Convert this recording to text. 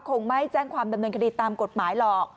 คงไม่แจ้งความดำเนินคดีตามกฎหมายหรอก